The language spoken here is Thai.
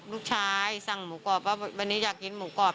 สั่งหมูกรอบว่าวันนี้อยากกินหมูกรอบ